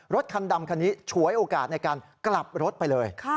รถคันดำคันนี้ฉวยโอกาสในการกลับรถไปเลย